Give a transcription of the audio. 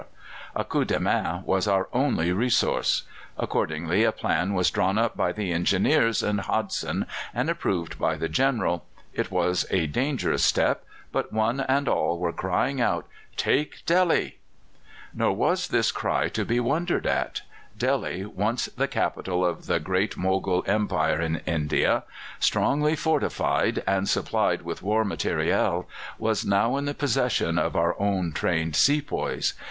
A coup de main was our only resource. Accordingly a plan was drawn up by the Engineers and Hodson, and approved by the General. It was a hazardous step, but one and all were crying out "Take Delhi!" Nor was this cry to be wondered at. Delhi, once the capital of the great Mogul Empire in India, strongly fortified, and supplied with war material, was now in the possession of our own trained sepoys.